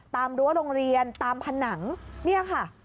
รั้วโรงเรียนตามผนังเนี่ยค่ะ